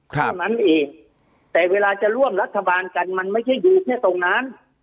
เท่านั้นเองแต่เวลาจะร่วมรัฐบาลกันมันไม่ใช่อยู่แค่ตรงนั้น